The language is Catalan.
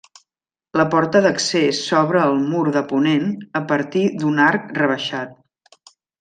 La porta d'accés s'obre al mur de ponent a partir d'un arc rebaixat.